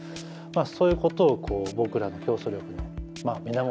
そういうことを僕らの競争力の源。